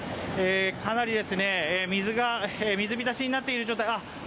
かなり水浸しになっている状態。